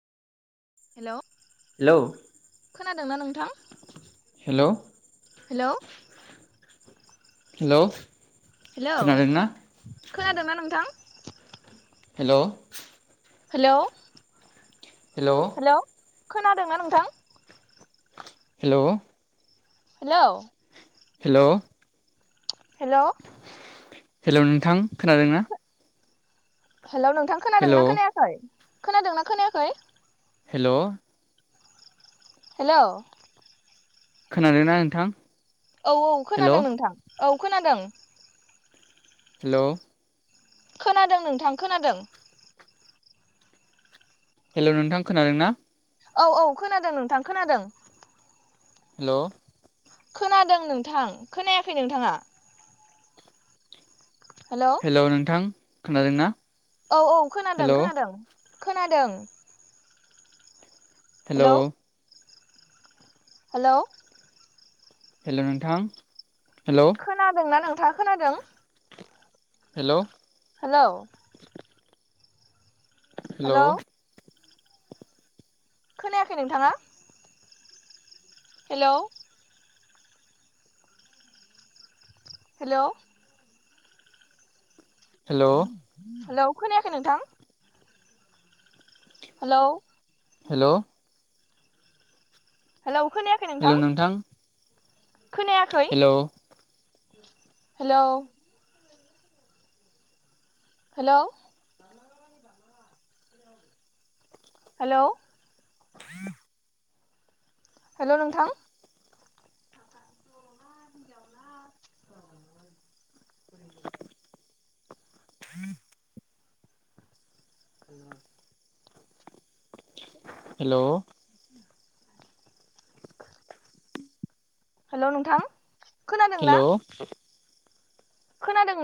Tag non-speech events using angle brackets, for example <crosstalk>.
हेल' हेलौ खोनादोंना नोंथां हेल' हेलौ हेल' हेलौ खोनादोंना खोनादोंना नोंथां। हेलौ हेलौ हेलौ हेल' खोनादोंना नोंथां। Hello hello hello hello hello नोंथां खोनादों ना? हेलौ नोंथां खोनादों हेलौ ना खोनायाखै खोनादोंना खोनायाखै? हेल हेलौ खोनादों ना नोंथां औ-औ हेलौ खोनादों नोंथां औ खोनादों। हेल' खोनादों नोंथां खोनादों। हेल' नोंथां खोनादों ना? औ औ खोनादों नोंथां खोनादों। हेल' खोनादों नोंथां खोनायाखै नोंथाङा? हेलौ हेलौ नोंथां खोनादों ना? औ औ खोनादों खोनादों खोनादों। हेल' हेलौ हेलौ हेल' नोंथां हेल' खोनादों ना नोंथाङा खोनादों? हेल' हेलौ हेल' हेलौ खोनायाखै नोंथाङा? हेलौ हेलौ हेलौ हेलौ खोनायाखै नोंथां? हेलौ हेलौ हेलौ खोनायाखै नोंथां? खोनायाखै hello hello hello hello hello नोंथां <inaudible> <unintelligible> हेलौ हेलौ नोंथां खोनादोंना हेल' खोनादों